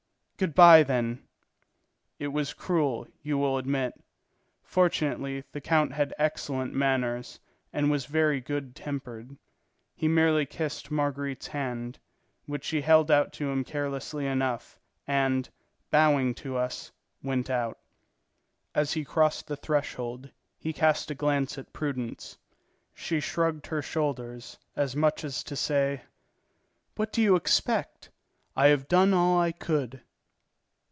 "Good bye, then." It was cruel, you will admit. Fortunately, the count had excellent manners and was very good tempered. He merely kissed Marguerite's hand, which she held out to him carelessly enough, and, bowing to us, went out. As he crossed the threshold, he cast a glance at Prudence. She shrugged her shoulders, as much as to say: "What do you expect? I have done all I could."